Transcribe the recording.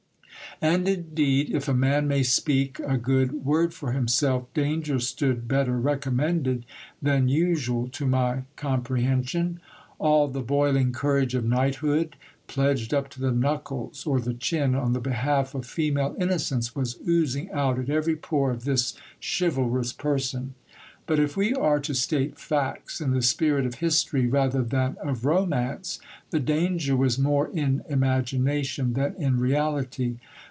And indeed, if a man may speak a good word for himself, danger stood better recommended than usual to my compre GIL BLAS. hension ; a'l the boiling courage of knighthood, pledged up to the knuckles or the chin on the behalf of female innocence, was oozing out at every pore of this chivalrous person. But, if we are to state facts in the spirit of history rather than of romance, the danger was more in imagination than in reality.